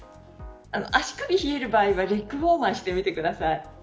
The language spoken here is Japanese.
足首、冷える場合はレッグウオーマーしてみてください。